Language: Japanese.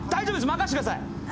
任せてください！